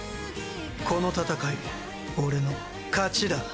この戦い、俺の勝ちだ。